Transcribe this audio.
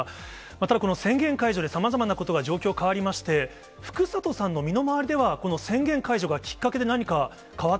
ただ、この宣言解除でさまざまなことが、状況変わりまして、福里さんの身の回りでは、この宣言解除がきっかけで、何か変わっ